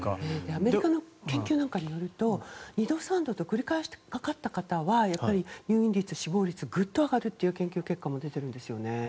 アメリカの研究などによると２度、３度と繰り返しかかった方は、入院率・死亡率がぐっと上がるという研究結果も出ています。